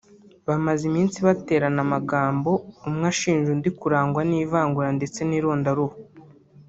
bamaze iminsi baterana amagambo umwe ashinja undi kurangwa n’ivangura ndetse n’irondaruhu